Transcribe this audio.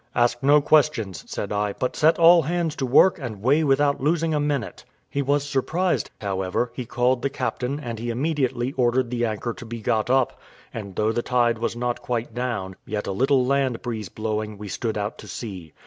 "Ask no questions," said I; "but set all hands to work, and weigh without losing a minute." He was surprised; however, he called the captain, and he immediately ordered the anchor to be got up; and though the tide was not quite down, yet a little land breeze blowing, we stood out to sea.